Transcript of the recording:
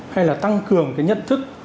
hay là tăng cường cái nhận thức